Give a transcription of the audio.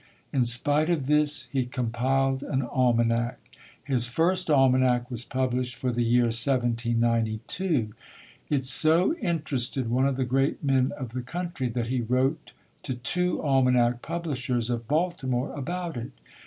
In spite of this, he compiled an almanac. His first almanac was published for the year 1792. 162 ] UNSUNG HEROES It so interested one of the great men of the coun try that he wrote to two almanac publishers of Baltimore about it.